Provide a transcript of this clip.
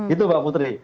itu mbak putri